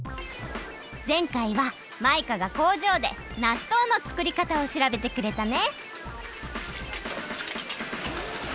ぜんかいはマイカがこうじょうでなっとうのつくりかたをしらべてくれたね。